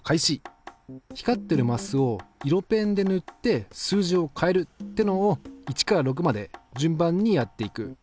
光ってるマスを色ペンで塗って数字を変えるってのを１から６まで順番にやっていく。